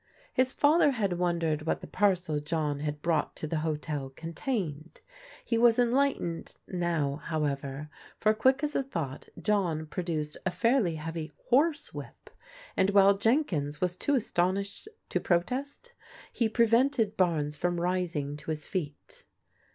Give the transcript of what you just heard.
His father had wondered what the parcel John had brought to the hotel contained. He was enlightened now, however, for quick as a thought John produced a fairly heavy horsewhip and while Jenkins was too aston ished to protest, he prevented Barnes from rising to his feet.